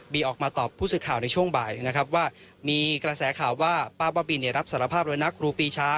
ออกมาตอบผู้สื่อข่าวในช่วงบ่ายนะครับว่ามีกระแสข่าวว่าป้าบ้าบินรับสารภาพเลยนะครูปีชา